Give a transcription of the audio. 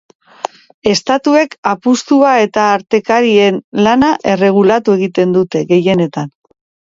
Estatuek apustua eta artekarien lana erregulatu egiten dute, gehienetan.